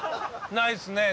ないっす。